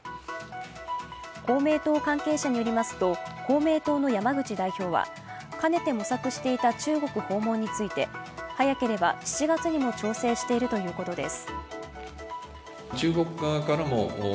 公明党関係者によりますと、公明党の山口代表はかねて摸作していた中国訪問について早ければ７月にも調整しているということです。